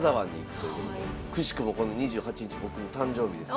くしくもこの２８日僕の誕生日です。